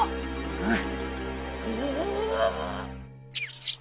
うん。